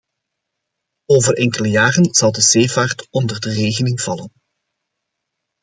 Over enkele jaren zal de zeevaart onder de regeling vallen.